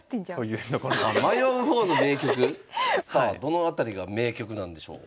さあどの辺りが迷局なんでしょう？